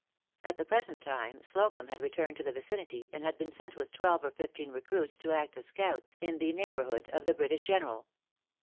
At the present time Slocumb had returned to the vicinity, and had been sent with twelve or fifteen recruits to act as scouts in the neighborhood of the British General.